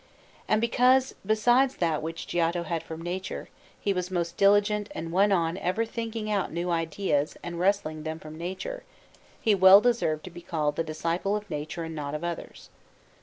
And because, besides that which Giotto had from nature, he was most diligent and went on ever thinking out new ideas and wresting them from nature, he well deserved to be called the disciple of nature and not of others.